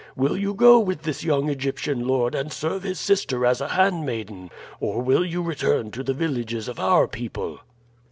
Will you go with this young Egyptian lord and serve his sister as a handmaiden, or will you return to the villages of our people?"